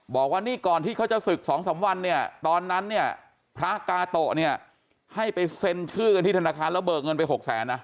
บอกว่านี่ก่อนที่เขาจะศึก๒๓วันเนี่ยตอนนั้นเนี่ยพระกาโตะเนี่ยให้ไปเซ็นชื่อกันที่ธนาคารแล้วเบิกเงินไป๖แสนนะ